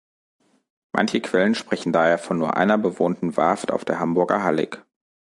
Manche Quellen sprechen daher von nur einer bewohnten Warft auf der Hamburger Hallig.